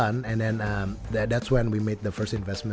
kami mulai dengan fund pembelian pertama